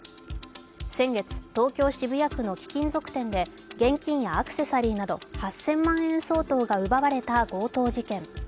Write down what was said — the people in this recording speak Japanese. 先月、東京・渋谷区の貴金属店で現金やアクセサリーなど８０００万円相当が奪われた強盗事件。